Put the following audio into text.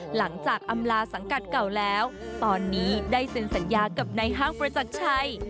หลังจากอำลาสังกัดเก่าแล้วตอนนี้ได้เซ็นสัญญากับนายห้างประจักรชัย